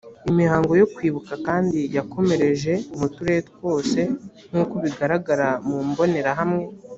imihango yo kwibuka kandi yakomereje mu turere twose nk uko bigaragara mu mbonerahamwe